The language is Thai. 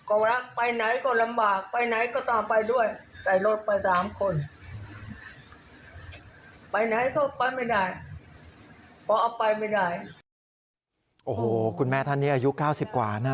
โอ้โหคุณแม่ท่านนี้อายุ๙๐กว่านะ